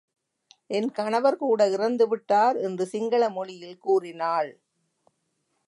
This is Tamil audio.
என் கணவர் கூட இறந்துவிட்டார். என்று சிங்கள மொழியில் கூறினாள்.